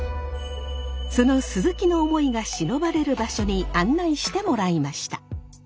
その鈴木の思いがしのばれる場所に案内してもらいました。